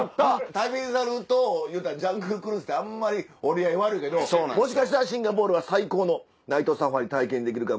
『旅猿』とジャングルクルーズってあんまり折り合い悪いけどもしかしたらシンガポールは最高のナイトサファリ体験できるかも。